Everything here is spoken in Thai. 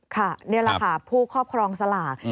นี่แหละค่ะผู้ครอบครองสลาก